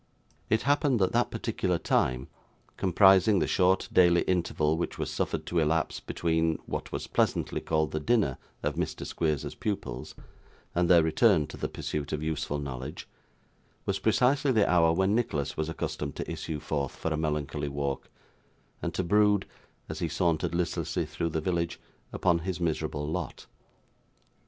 It happened that that particular time, comprising the short daily interval which was suffered to elapse between what was pleasantly called the dinner of Mr. Squeers's pupils, and their return to the pursuit of useful knowledge, was precisely the hour when Nicholas was accustomed to issue forth for a melancholy walk, and to brood, as he sauntered listlessly through the village, upon his miserable lot.